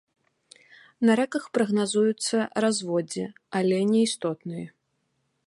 На рэках прагназуюцца разводдзі, але неістотныя.